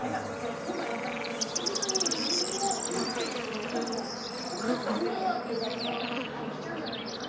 今回、久々に水着を着たんですけどやっぱり、ももを隠す水着を着ちゃうじゃないですか。